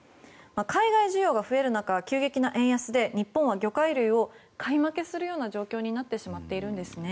海外需要が増える中急激な円安で日本は魚介類を買い負けするような状況になってしまっているんですね。